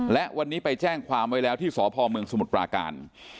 และวันนี้ไปแจ้งความไว้แล้วที่สพเมืองสมุทรปราการ